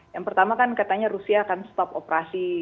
yang pertama kan katanya rusia akan stop operasi